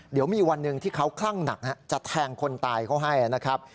เดี๋ยวมีวันหนึ่งที่เขาคลั่งหนักจะแทงคนตายเขาให้นะครับ